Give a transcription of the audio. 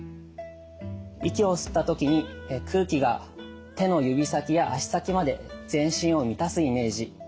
息を吸った時に空気が手の指先や足先まで全身を満たすイメージ。